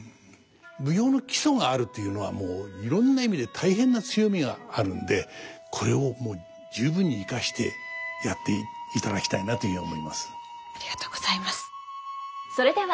舞踊の基礎があるっていうのはもういろんな意味で大変な強みがあるんでこれをもう十分に生かしてやっていただきたいなというふうに思います。